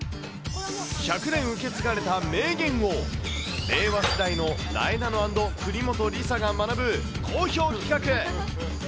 １００年受け継がれた名言を、令和世代のなえなの＆国本梨紗が学ぶ好評企画。